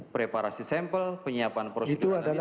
preparasi sampel penyiapan prosedur